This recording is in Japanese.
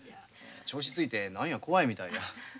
調子づいて何や怖いみたいや。